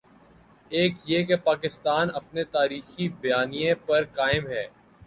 ایک یہ کہ پاکستان اپنے تاریخی بیانیے پر قائم ہے۔